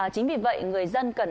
chính vì vậy người dân cần